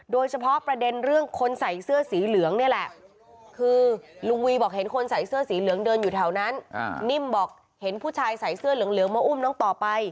โดยเฉพาะประเด็นเรื่องคนใส่เสื้อสีเหลืองนี่แหละคือลุงวีบอกเห็นคนใส่เสื้อสีเหลืองเดินอยู่แถวนั้นนิ่มบอกเห็นผู้ชายใส่เสื้อเหลืองมาอุ้มน้องต่อไป